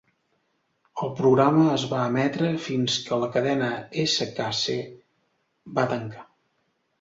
El programa es va emetre fins que la cadena SKC va tancar.